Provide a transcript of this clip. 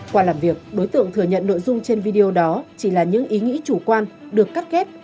qua làm việc đối tượng thừa nhận nội dung trên video đó chỉ là những ý nghĩ chủ quan được cắt ghép